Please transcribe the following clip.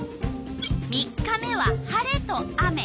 ３日目は晴れと雨。